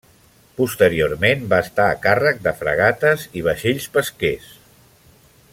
Posteriorment va estar a càrrec de fragates i vaixells pesquers.